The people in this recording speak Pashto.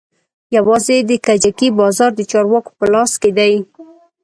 يوازې د کجکي بازار د چارواکو په لاس کښې دى.